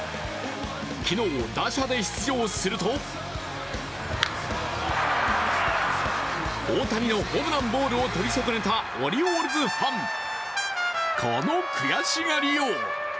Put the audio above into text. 昨日、打者で出場すると大谷のホームランを取り損ねたオリオールズファン、この悔しがりよう。